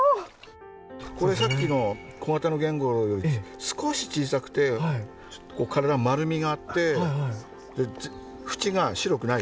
これさっきのコガタノゲンゴロウより少し小さくて体も丸みがあって縁が白くないですよね。